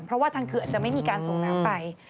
เพราะว่าทางเขื่อนจะไม่มีการส่งน้ำไป